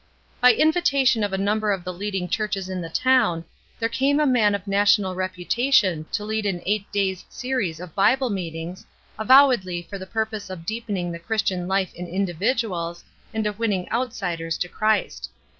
By invitation of a number of the leading churches in the town, there came a 'man of national reputation to lead an eight days series of Bible meetings, avowedly for the purpose of deepening the Christian life in individuals, and of winning outsiders to Christ.